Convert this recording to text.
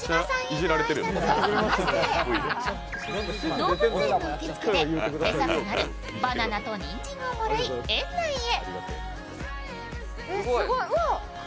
動物園の受付で餌となるバナナとにんじんをもらい、園内へ。